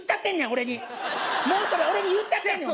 俺にもうそれ俺に言っちゃってんねん